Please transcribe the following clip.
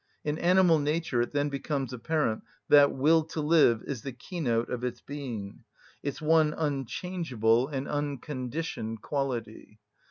In animal nature it then becomes apparent that will to live is the keynote of its being, its one unchangeable and unconditioned quality.